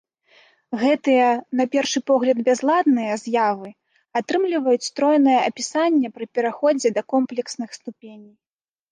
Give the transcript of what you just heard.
Гэтыя, на першы погляд бязладныя, з'явы атрымліваюць стройнае апісанне пры пераходзе да камплексных ступеней.